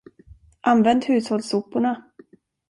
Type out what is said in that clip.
Använd hushållssoporna!